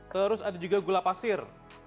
terus ada juga gula pasir